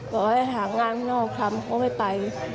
บอกให้หางานข้างนอกทำก็ไม่ไป